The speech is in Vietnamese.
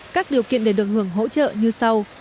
các điều kiện để được hưởng hỗ trợ như sau